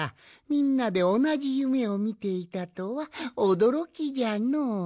みんなでおなじゆめをみていたとはおどろきじゃの。